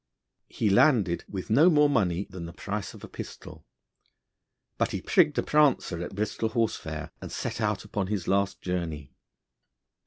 He landed with no more money than the price of a pistol, but he prigged a prancer at Bristol horsefair, and set out upon his last journey.